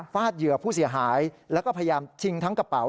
เหยื่อผู้เสียหายแล้วก็พยายามชิงทั้งกระเป๋า